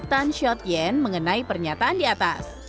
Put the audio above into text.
tan shot yen mengenai pernyataan di atas